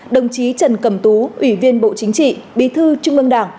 đồng chí trần cầm tú ủy viên bộ chính trị bí thư trung ương đảng